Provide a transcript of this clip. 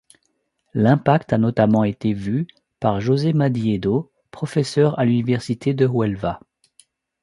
L'impact a notamment été vu par Jose Madiedo, professeur à l'université de Huelva.